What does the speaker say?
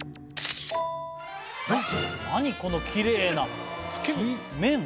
何このきれいな麺？